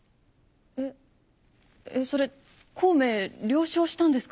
えっえっそれ孔明了承したんですか？